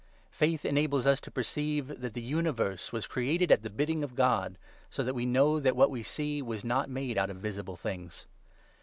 Faith enables us to perceive that the universe was created at the bidding of God— so that we know that what we see was not made out of visible things.